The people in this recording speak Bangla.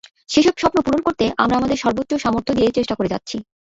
সেসব স্বপ্ন পূরণ করতে আমরা আমাদের সর্বোচ্চ সামর্থ্য দিয়ে চেষ্টা করে যাচ্ছি।